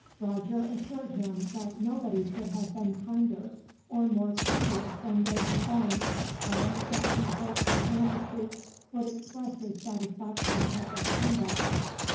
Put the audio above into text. Roger assured him that nobody could have been kinder or more courteous than they had been, and that he hoped his Majesty would express his satisfaction at their conduct.